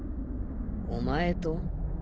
お前と？